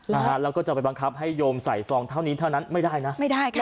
นะฮะแล้วก็จะไปบังคับให้โยมใส่ซองเท่านี้เท่านั้นไม่ได้นะไม่ได้ค่ะ